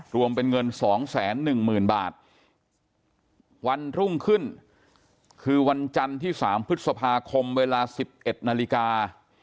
รวมเป็นเงิน๒๑๐๐๐บาทวันรุ่งขึ้นคือวันจันทร์ที่๓พฤษภาคมเวลา๑๑นาฬิกา